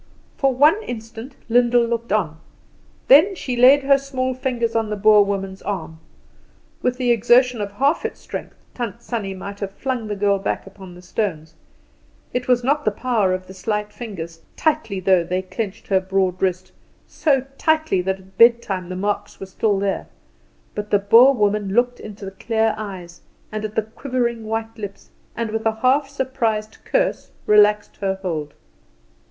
For one instant Lyndall looked on, then she laid her small fingers on the Boer woman's arm. With the exertion of half its strength Tant Sannie might have flung the girl back upon the stones. It was not the power of the slight fingers, tightly though they clinched her broad wrist so tightly that at bedtime the marks were still there; but the Boer woman looked into the clear eyes and at the quivering white lips, and with a half surprised curse relaxed her hold.